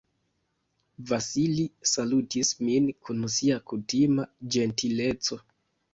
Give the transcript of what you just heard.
Vasili salutis min kun sia kutima ĝentileco.